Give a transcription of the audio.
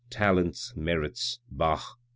talents ! merits ! bah !